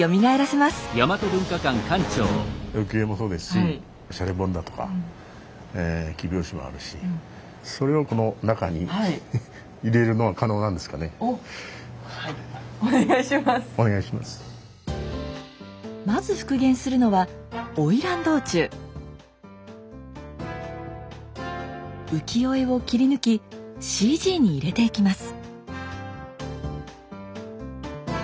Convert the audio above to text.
まず復元するのは浮世絵を切り抜きＣＧに入れていきます。